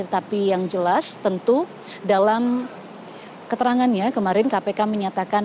tapi yang jelas tentu dalam keterangannya kemarin kpk menyatakan